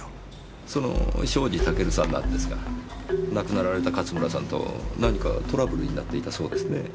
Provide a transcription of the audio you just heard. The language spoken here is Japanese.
その庄司タケルさんなんですが亡くなられた勝村さんと何かトラブルになっていたそうですねぇ。